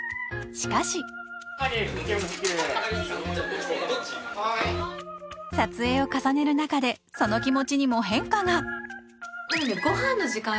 しかし撮影を重ねる中でその気持ちにも変化がたぶんね